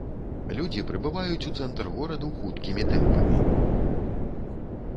Людзі прыбываюць у цэнтр гораду хуткімі тэмпамі.